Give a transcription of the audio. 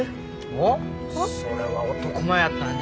おっそれは男前やったんやね。